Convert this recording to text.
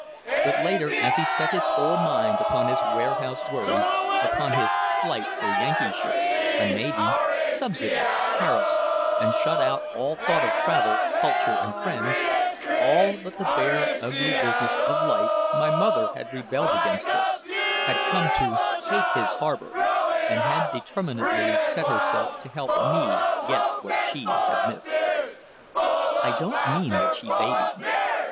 But later, as he set his whole mind upon his warehouse worries, upon his fight for Yankee ships, a navy, subsidies, tariffs, and shut out all thought of travel, culture, friends, all but the bare, ugly business of life my mother had rebelled against this, had come to hate his harbor, and had determinedly set herself to help me get what she had missed. I don't mean that she babied me.